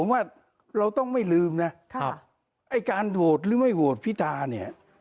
ผมว่าเราต้องไม่ลืมนะครับไอ้การโหวตหรือไม่โหวตพิธาเนี่ย